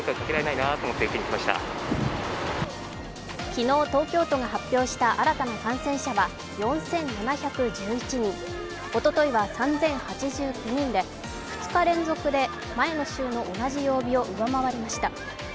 昨日東京都が発表した新たな感染者は４７１１人おとといは３０８９人で２日連続で前の週の同じ曜日を上回りました。